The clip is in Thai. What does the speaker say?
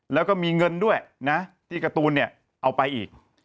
แล้วก็มีเงินด้วยนะที่การ์ตูนเนี่ยเอาไปอีก